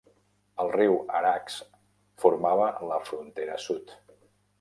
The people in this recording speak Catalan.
El riu Arax formava la frontera sud.